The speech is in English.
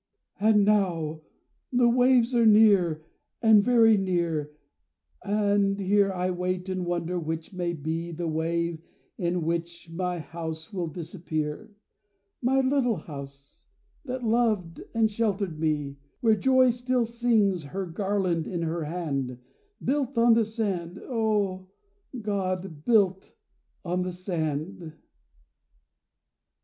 And now the waves are near and very near, And here I wait and wonder which may be The wave in which my house will disappear, My little house that loved and sheltered me, Where joy still sings, her garland in her hand, Built on the sand, oh God, built on the sand!